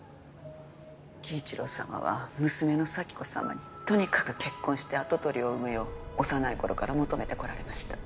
輝一郎様は娘の紗輝子様にとにかく結婚して跡取りを産むよう幼い頃から求めてこられました。